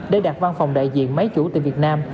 để đạt văn phòng đại diện máy chủ từ việt nam